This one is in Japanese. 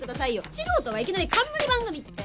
素人がいきなり冠番組って。